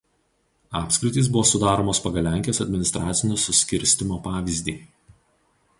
Apskritys buvo sudaromos pagal Lenkijos administracinio suskirstymo pavyzdį.